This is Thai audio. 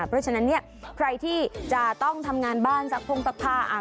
เพราะฉะนั้นเนี่ยใครที่จะต้องทำงานบ้านซักพงซักผ้า